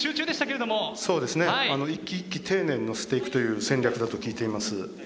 一機一機丁寧に乗せていくという戦略だと聞いています。